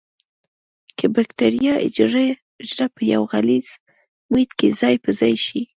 که بکټریا حجره په یو غلیظ محیط کې ځای په ځای شي.